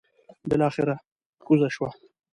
بلاخره کوزه شوه.